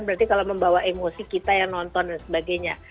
berarti kalau membawa emosi kita yang nonton dan sebagainya